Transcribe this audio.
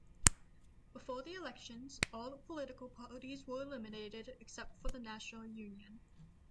Before the elections, all political parties were eliminated except for the National Union.